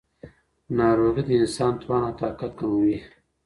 ناروغي د انسان توان او طاقت کموي.